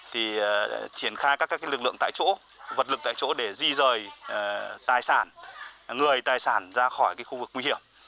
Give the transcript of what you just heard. thì triển khai các lực lượng tại chỗ vật lực tại chỗ để di rời tài sản người tài sản ra khỏi khu vực nguy hiểm